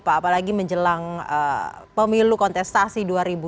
apalagi menjelang pemilu kontestasi dua ribu dua puluh